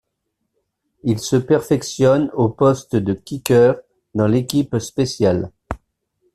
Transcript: Il se perfectionne au poste de kicker dans l'équipe spéciale.